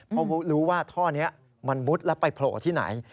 เพราะรู้ว่าท่อนี้มันมุดแล้วไปโผล่ที่ไหน